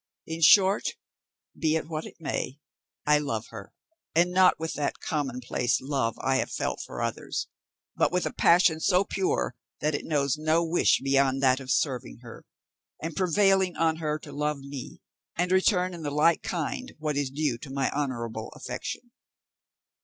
In short, be it what it may, I love her, and not with that common place love I have felt for others, but with a passion so pure that it knows no wish beyond that of serving her, and prevailing on her to love me, and return in the like kind what is due to my honourable affection."